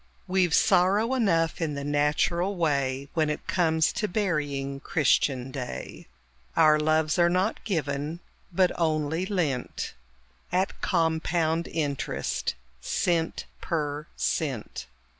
We've sorrow enough in the natural way, When it comes to burying Christian clay. Our loves are not given, but only lent, At compound interest of cent per cent.